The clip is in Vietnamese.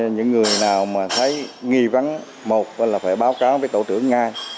những người nào mà thấy nghi vấn một là phải báo cáo với tổ trưởng ngay